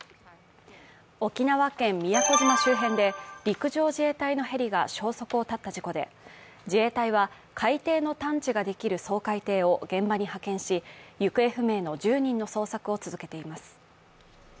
沖縄県宮古島周辺で、陸上自衛隊のヘリが消息を絶った事故で自衛隊は、海底の探知ができる掃海艇を現場に派遣し、行方不明の１０人の捜索を続けています。